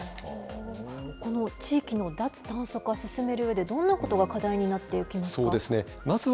この地域の脱炭素化、進めるうえで、どんなことが課題になっていきますか。